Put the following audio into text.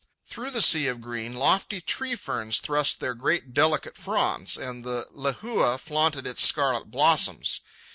Through the sea of green, lofty tree ferns thrust their great delicate fronds, and the lehua flaunted its scarlet blossoms.